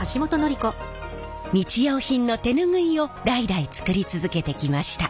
日用品の手ぬぐいを代々作り続けてきました。